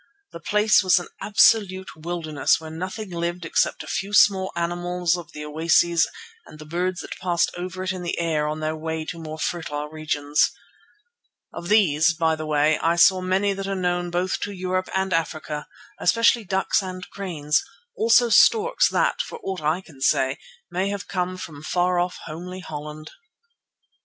The place was an absolute wilderness where nothing lived except a few small mammals at the oases and the birds that passed over it in the air on their way to more fertile regions. Of these, by the way, I saw many that are known both to Europe and Africa, especially ducks and cranes; also storks that, for aught I can say, may have come from far off, homely Holland.